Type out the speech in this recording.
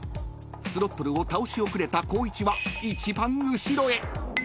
［スロットルを倒し遅れた光一は一番後ろへ］